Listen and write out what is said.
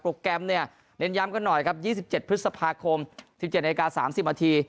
แกรมเนี่ยเน้นย้ำกันหน่อยครับ๒๗พฤษภาคม๑๗นาที๓๐นาที